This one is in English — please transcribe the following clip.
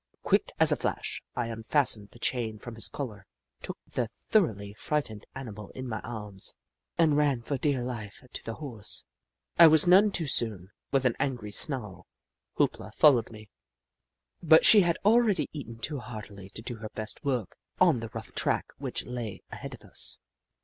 Quick as a flash, I unfastened the chain from his collar, took the thoroughly frightened animal in my arms, and ran for dear life to the Horse. I was none too soon. With an angry snarl, Hoop La followed me, but she had already eaten too heartily to do her best work on the i66 The Book of Clever Beasts rough track which lay ahead of us.